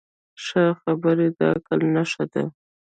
ښه خبرې د عقل نښه ده